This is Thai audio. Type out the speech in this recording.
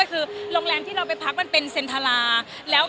แหละแบบเหมือนยังเด้งอื่นแปลว่ะ